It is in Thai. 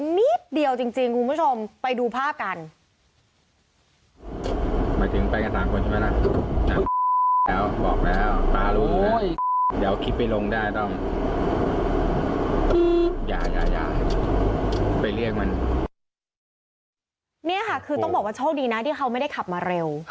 นี่ค่ะคือต้องบอกว่าโชคดีนะที่เขาไม่ได้ขับมาเร็ว